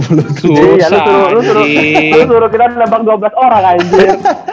menurut kita nembang dua belas orang anjir